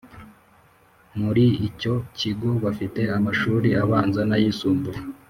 Muri icyo kigo bafite amashuri abanza nayisumbuye